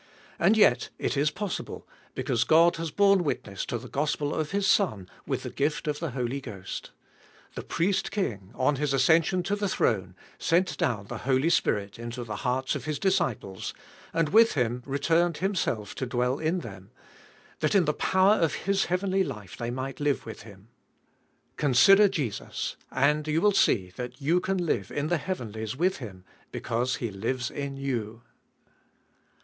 And yet it is possible, because God has borne witness to the Gospel of His Son with the gift of the Holy Ghost. The Priest King, on His ascension to the throne, sent down the Holy Spirit into the hearts of His disciples, and with Him returned Himself to dwell in them, that in the power of His heavenly life they might live with Him. Consider Jesus ! and you will see that you can live in the heavenlies with Him, because He lives in you.